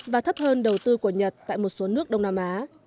và thấp hơn đầu tư của nhật tại một số nước đông nam á